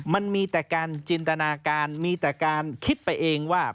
มันมีแต่การจินตนาการมีแต่การคิดไปเองว่า